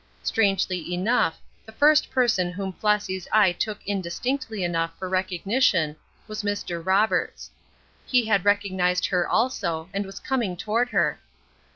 Strangely enough, the first person whom Flossy's eye took in distinctly enough for recognition was Mr. Roberts. He had recognized her, also, and was coming toward her.